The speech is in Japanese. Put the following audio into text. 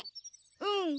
うん。